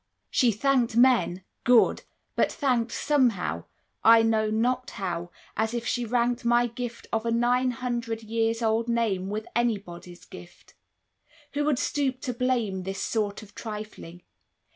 She thanked men good! but thanked Somehow I know not how as if she ranked My gift of a nine hundred years old name With anybody's gift. Who'd stoop to blame This sort of trifling?